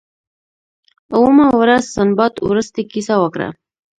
اوومه ورځ سنباد وروستۍ کیسه وکړه.